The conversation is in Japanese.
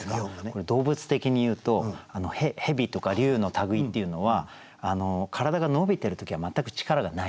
これ動物的にいうと蛇とか龍の類いっていうのは体が伸びてる時は全く力がないんですよ。